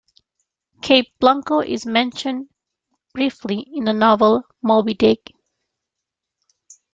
Cape Blanco is mentioned briefly in the novel "Moby Dick".